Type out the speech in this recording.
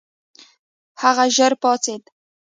هغه ژر پاڅېد.